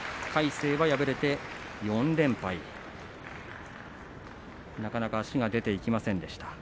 魁聖は敗れて４連敗、なかなか足が出ていきませんでした。